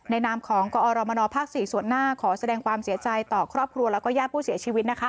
นามของกอรมนภ๔ส่วนหน้าขอแสดงความเสียใจต่อครอบครัวแล้วก็ญาติผู้เสียชีวิตนะคะ